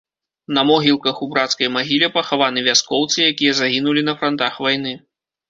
На могілках у брацкай магіле пахаваны вяскоўцы, якія загінулі на франтах вайны.